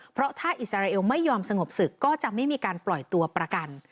เพราะถ้าอิสราเอลไม่ยอมสงบศึกก็จะไม่มีการปล่อยตัวประกัน